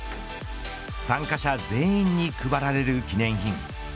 参加者全員に配られる記念品。